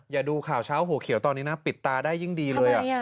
ดูข่าวเช้าหัวเขียวตอนนี้นะปิดตาได้ยิ่งดีเลย